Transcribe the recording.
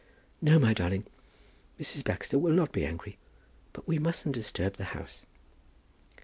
"No, my darling; Mrs. Baxter will not be angry, but we mustn't disturb the house."